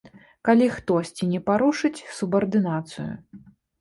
Калі хтосьці не парушыць субардынацыю.